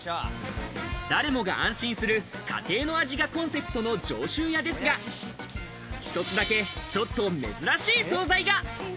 誰もが安心する家庭の味がコンセプトの上州屋ですが、１つだけちょっと珍しい総菜が。